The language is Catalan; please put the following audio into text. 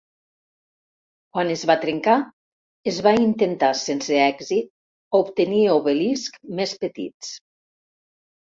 Quan es va trencar, es va intentar sense èxit obtenir obeliscs més petits.